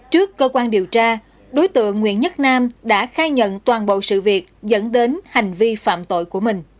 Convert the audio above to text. trước cơ quan điều tra đối tượng nguyễn nhất nam đã khai nhận toàn bộ sự việc dẫn đến hành vi phạm tội của mình